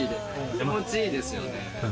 気持ち良いですよね。